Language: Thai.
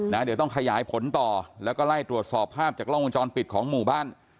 เดี๋ยวต้องขยายผลต่อแล้วก็ไล่ตรวจสอบภาพจากกล้องวงจรปิดของหมู่บ้าน